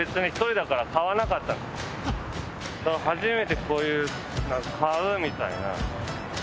だから初めてこういう買うみたいな。